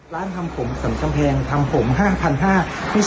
ร้านทำผมส้ำจำแพงทำผม๕๕๐๐